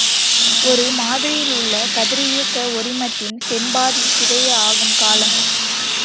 ஒரு மாதிரியிலுள்ள கதிரியக்க ஒரிமத்தின் செம்பாதி சிதைய ஆகும் காலம்.